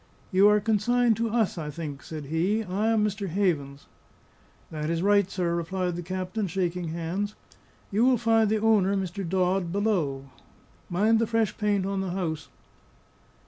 "You are consigned to us, I think," said he. "I am Mr. Havens." "That is right, sir," replied the captain, shaking hands. "You will find the owner, Mr. Dodd, below. Mind the fresh paint on the house."